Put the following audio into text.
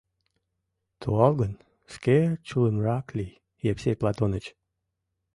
— Туалгын, шке чулымрак лий, Евсей Платоныч.